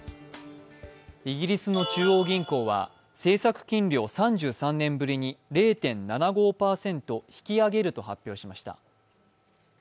イギリスの中央銀行は政策金利を３３年ぶりに０．７５％引き上げると発表しました。